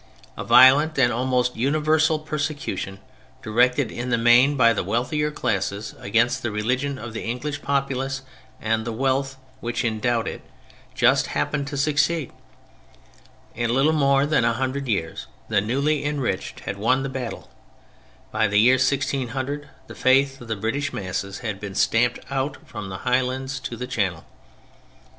A violent and almost universal persecution directed, in the main by the wealthier classes, against the religion of the English populace and the wealth which endowed it just happened to succeed. In little more than a hundred years the newly enriched had won the battle. By the year 1600 the Faith of the British masses had been stamped out from the Highlands to the Channel.